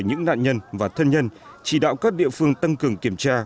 những nạn nhân và thân nhân chỉ đạo các địa phương tăng cường kiểm tra